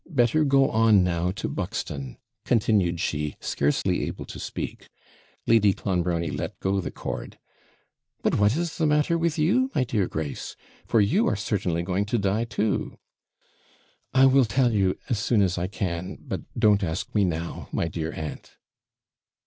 Better go on now to Buxton!' continued she, scarcely able to speak. Lady Clonbrony let go the cord. 'But what is the matter with you, my dear Grace? for you are certainly going to die too!' 'I will tell you as soon as I can; but don't ask me now, my dear aunt!'